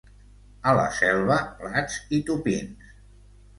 A la Selva, plats i tupins.